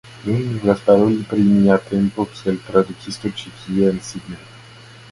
Nun, mi volas paroli pri mia tempo kiel tradukisto ĉi tie en Sidnejo.